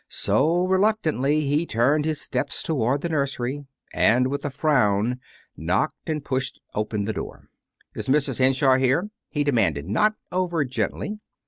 So, reluctantly, he turned his steps toward the nursery, and, with a frown, knocked and pushed open the door. "Is Mrs. Henshaw here?" he demanded, not over gently.